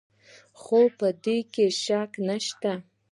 خو په دې کې شک نشته.